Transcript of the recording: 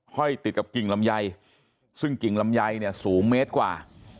ห้อยติดกับกิ่งลำไยซึ่งกิ่งลำไยเนี่ยสูงเมตรกว่า